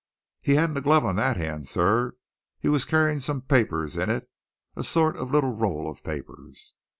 "He hadn't a glove on that hand, sir. He was carrying some papers in it a sort of little roll of papers."